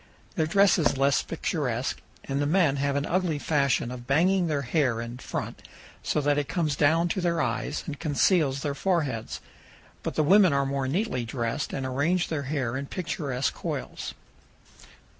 Their dress is less picturesque, and the men have an ugly fashion of banging their hair in front so that it comes down to their eyes and conceals their foreheads. But the women are more neatly dressed and arrange their hair in picturesque coils.